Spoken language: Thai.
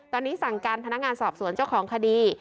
ตอนนี้สั่งการพนักงานสอบสวนเจ้าของคดี